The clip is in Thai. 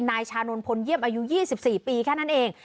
นายชานนพลเยี่ยมอายุยี่สิบสี่ปีแค่นั้นเอง